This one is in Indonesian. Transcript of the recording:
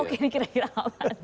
oke ini kira kira awal gitu